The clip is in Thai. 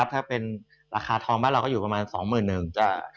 ถ้าเป็นราคาทองบ้านเราก็อยู่ประมาณ๒หมื่นหนึ่ง